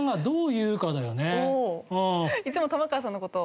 いつも玉川さんの事を。